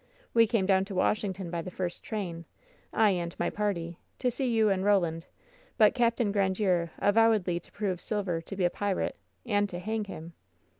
We came down to Washington by the first train — ^I and my party — to see you and Koland; but Capt. Grandiere avowedly to prove Silver to be a pirate, and to hang him.